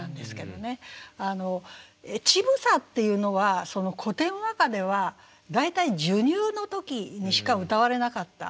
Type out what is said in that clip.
乳房っていうのは古典和歌では大体授乳の時にしか歌われなかった。